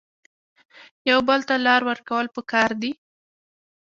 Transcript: یو بل ته لار ورکول پکار دي